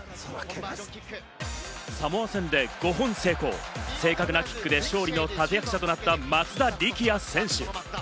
サモア戦で５本成功、正確なキックで勝利の立役者となった松田力也選手。